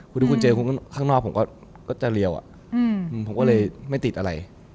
คุณดูคุณเจอคนข้างนอกผมก็จะเรียวผมก็เลยไม่ติดอะไร